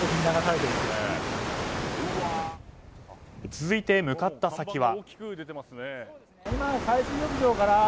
続いて向かった先は。